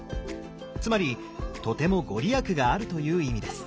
つまりとても御利益があるという意味です。